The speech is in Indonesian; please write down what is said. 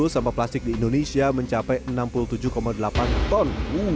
sampah plastik di indonesia mencapai enam puluh tujuh delapan ton